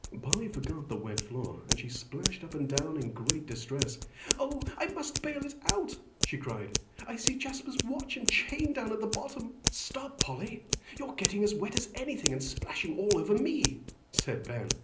Polly forgot the wet floor and she splashed up and down in great distress. "Oh, I must bale it out," she cried. "I see Jasper's watch and chain down at the bottom." "Stop, Polly, you're getting as wet as anything and splashing all over me," said Ben.